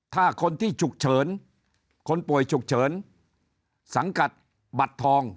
ถ้าคนที่ฉุกเฉินคนป่วยฉุกเฉินสังกัดบัตรทอง